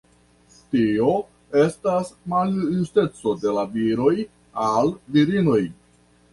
Tio estas maljusteco de la viroj al virinoj.